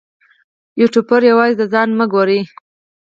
یوټوبر یوازې د ځان مه ګوري.